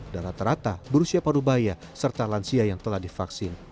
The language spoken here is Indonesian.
rata rata berusia parubaya serta lansia yang telah divaksin